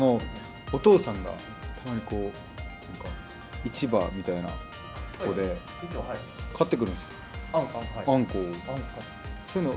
お父さんがたまにこう、なんか、市場みたいなところで、買ってくるんですよ、アンコウを。